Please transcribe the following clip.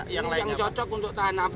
ini yang cocok untuk tahan abrasi pak